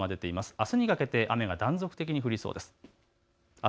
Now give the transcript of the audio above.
あすにかけて雨が断続的に降りそうです。